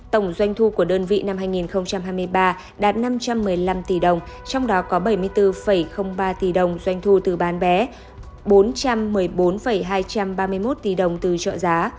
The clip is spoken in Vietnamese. tổng doanh thu của đơn vị năm hai nghìn hai mươi ba đạt năm trăm một mươi năm tỷ đồng trong đó có bảy mươi bốn ba tỷ đồng doanh thu từ bán vé bốn trăm một mươi bốn hai trăm ba mươi một tỷ đồng từ trợ giá